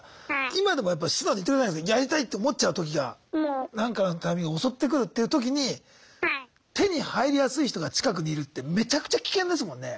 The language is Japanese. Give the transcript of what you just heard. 今でも素直に言ってくれたじゃないすかやりたいって思っちゃう時がなんかのタイミングで襲ってくるっていう時に手に入りやすい人が近くにいるってめちゃくちゃ危険ですもんね。